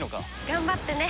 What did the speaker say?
頑張ってね。